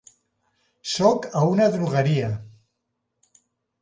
Sóc a una drogueria.